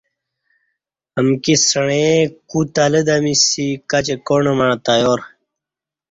امکی سعیئں کو تلہ دمیسی کاچی کاݨ مع تیار